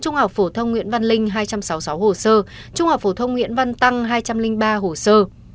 trung học phổ thông nguyễn văn linh hai trăm sáu mươi sáu hồ sơ trung học phổ thông nguyễn văn tăng hai trăm linh ba hồ sơ